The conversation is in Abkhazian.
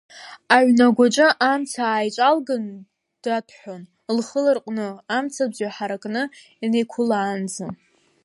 Аҩнагәаҿы амца ааиҿалкын, даҭәҳәон лхы ларҟәны, амцабз ҩаҳаракны инеиқәылаанӡа.